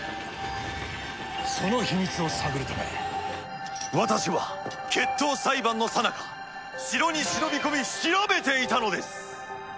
その秘密を探るため私は決闘裁判のさなか城に忍び込み調べていたのです。